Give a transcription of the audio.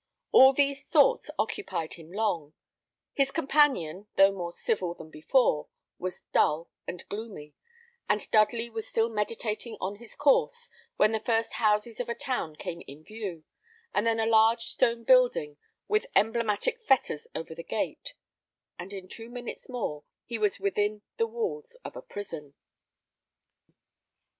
All these thoughts occupied him long; his companion, though more civil than before, was dull and gloomy; and Dudley was still meditating on his course, when the first houses of a town came in view, and then a large stone building, with emblematic fetters over the gate; and in two minutes more he was within the walls of a prison.